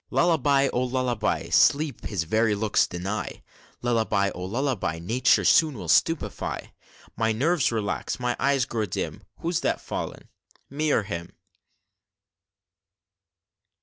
"Lullaby, oh, lullaby! Sleep his very looks deny Lullaby, oh, lullaby; Nature soon will stupefy My nerves relax, my eyes grow dim Who's that fallen me or him?"